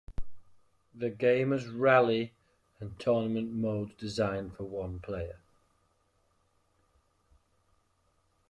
The game has rally and tournament modes designed for one player.